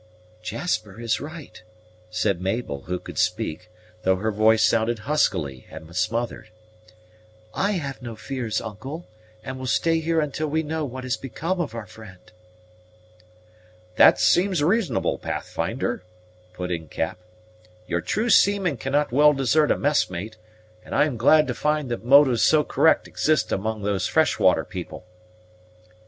"Jasper is right," said Mabel, who could speak, though her voice sounded huskily and smothered; "I have no fears, uncle, and will stay here until we know what has become of our friend." "This seems reasonable, Pathfinder," put in Cap. "Your true seaman cannot well desert a messmate; and I am glad to find that motives so correct exist among those fresh water people."